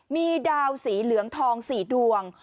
มีดาวสีเหลืองทอง๔ดวง